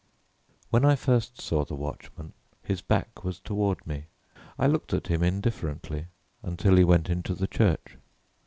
When I first saw the watchman his back was toward me. I looked at him indifferently until he went into the church.